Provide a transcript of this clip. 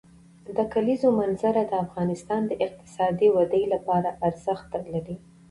د کلیزو منظره د افغانستان د اقتصادي ودې لپاره ارزښت لري.